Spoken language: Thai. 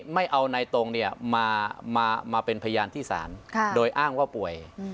ไม่เอาในตรงเนี่ยมาเป็นพยานที่สารโดยอ้างว่าป่วย